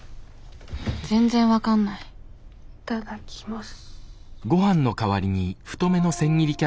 全然分かんないいただきます。